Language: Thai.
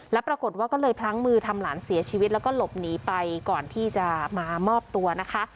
แล้วปรากฏว่าก็เลยพลั้งมือทำหลานเสียชีวิตแล้วก็หลบหนีไปก่อนที่จะมามอบตัวนะคะ